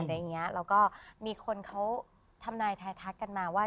แล้วก็มีคนเขาทำนายทายทักกันมาว่า